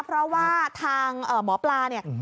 เพราะว่าทางหมอปลาเนี่ย